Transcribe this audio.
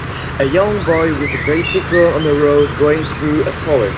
A young boy with a bicycle on a road going through a forest